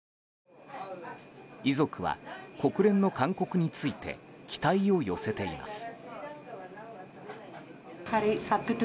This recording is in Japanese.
遺族は、国連の勧告について期待を寄せています。